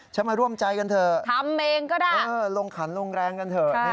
จะมาร่วมใจกันเถอะลงขันลงแรงกันเถอะทำเองก็ได้